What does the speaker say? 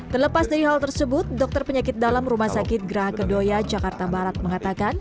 terlepas dari hal tersebut dokter penyakit dalam rumah sakit geraha kedoya jakarta barat mengatakan